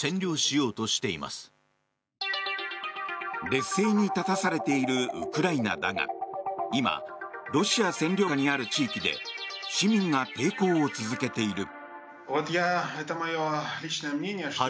劣勢に立たされているウクライナだが今、ロシア占領下にある地域で市民が抵抗を続けている。